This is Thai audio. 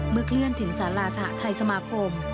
เมื่อเคลื่อนถึงศาลาสหทัยสมาคม